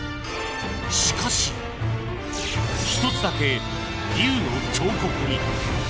［しかし１つだけ龍の彫刻に］